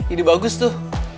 ide bagus tuh